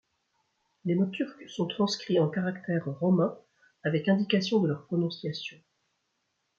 Les mots turcs sont transcrits en caractères romains avec indication de leur prononciation.